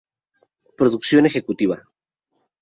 Productora ejecutiva